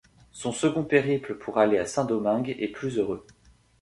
Son second périple pour aller à Saint-Domingue est plus heureux.